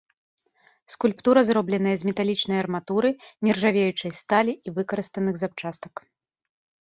Скульптура зробленая з металічнай арматуры, нержавеючай сталі і выкарыстаных запчастак.